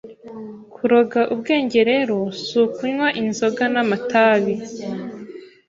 kuroga ubwenge rero si ukunywa inzoga namatabi